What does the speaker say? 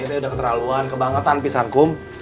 kom ini tuh udah keterlaluan kebangetan pisang kom